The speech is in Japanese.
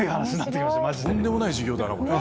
とんでもない授業だな。